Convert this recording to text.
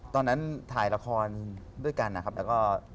ตอนนั้นถ่ายละครด้วยกันนะครับแล้วก็